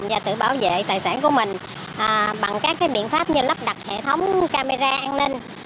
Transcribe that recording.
và tự bảo vệ tài sản của mình bằng các biện pháp như lắp đặt hệ thống camera an ninh